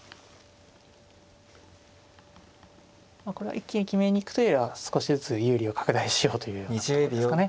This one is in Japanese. これは一気に決めに行くというよりは少しずつ有利を拡大しようというようなとこですかね。